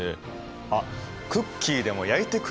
あっクッキーでも焼いてくれるのかな？